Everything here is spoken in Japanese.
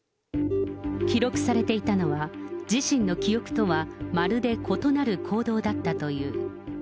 記録されていたのは、自身の記憶とはまるで異なる行動だったという。